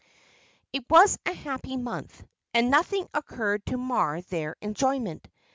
It was a happy month, and nothing occurred to mar their enjoyment.